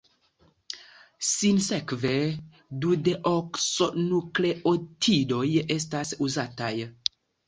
Sinsekve, dudeokso-nukleotidoj estas uzataj.